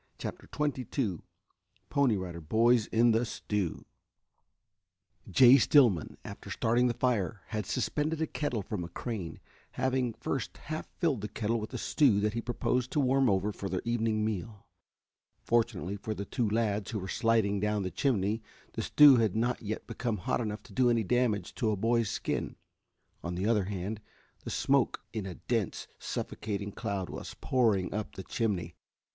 CHAPTER XXII PONY RIDER BOYS IN THE STEW Jay Stillman, after starting the fire, had suspended a kettle from a crane, having first half filled the kettle with a stew that he proposed to warm over for their evening meal. Fortunately for the two lads who were sliding down the chimney the stew had not yet become hot enough to do any damage to a boy's skin. On the other hand, the smoke in a dense, suffocating cloud was pouring up the chimney.